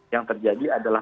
yang terjadi adalah